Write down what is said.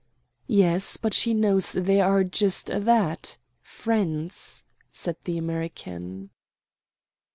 "Yes, but she knows they are just that friends," said the American.